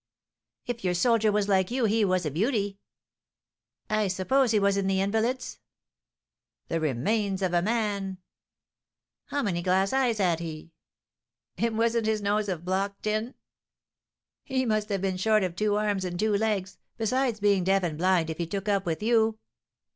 "If your soldier was like you, he was a beauty!" "I suppose he was in the Invalids?" "The remains of a man " "How many glass eyes had he?" "And wasn't his nose of block tin?" "He must have been short of two arms and two legs, besides being deaf and blind, if he took up with you."